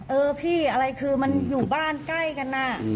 เออพี่อะไรคือมันอยู่บ้านใกล้กันน่ะ